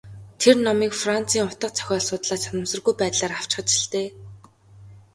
Тэр номыг Францын утга зохиол судлаач санамсаргүй байдлаар авчхаж л дээ.